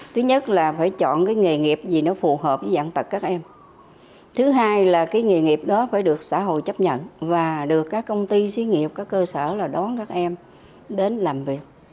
thứ nhất là phải chọn cái nghề nghiệp gì nó phù hợp với dạng tật các em thứ hai là cái nghề nghiệp đó phải được xã hội chấp nhận và được các công ty xí nghiệp các cơ sở là đón các em đến làm việc